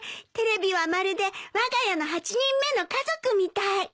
テレビはまるでわが家の８人目の家族みたい。